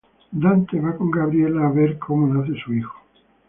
Dante va a con Gabriella como nace su hijo.